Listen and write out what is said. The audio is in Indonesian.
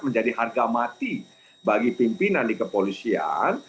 menjadi harga mati bagi pimpinan di kepolisian